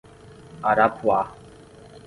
Arapuá